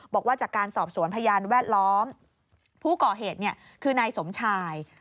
บอกว่าจากการสอบสวนพยานแวดล้อมผู้ก่อเหตุคือนายสมชาย